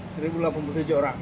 satu delapan puluh tujuh orang